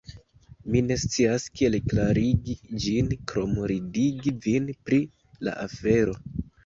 Mi ne scias kiel klarigi ĝin krom ridigi vin pri la afero